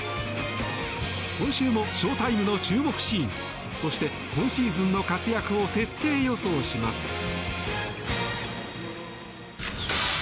今週もショータイムの注目シーンそして今シーズンの活躍を徹底予想します。